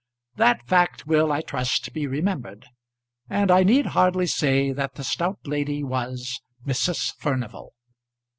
That fact will I trust be remembered, and I need hardly say that the stout lady was Mrs. Furnival.